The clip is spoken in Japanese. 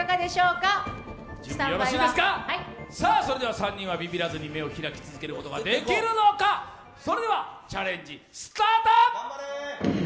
それでは３人はビビらずに目を開き続けることはできるのか、それではチャレンジスタート！